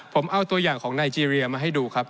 ผมเอาตัวอย่างของไนเจรียมาให้ดูครับ